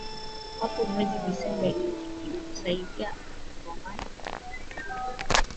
hapo mwezi Disemba ili kusaidia kupambana na kundi la waasi lenye vurugu linalojulikana kama